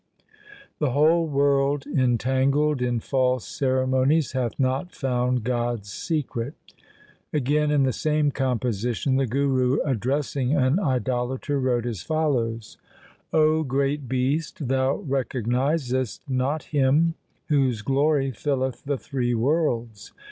The whole world entangled in false ceremonies hath not found God*s secret. Again in the same composition the Guru addressing an idolater wrote as follows :— 0 great beast, thou recognizest not Him whose glory filleth the three worlds.